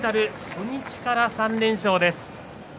初日から３連勝です。